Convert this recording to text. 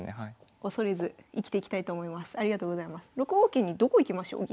桂にどこ行きましょう銀。